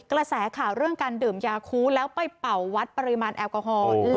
กระแสข่าวเรื่องการดื่มยาคู้แล้วไปเป่าวัดปริมาณแอลกอฮอล์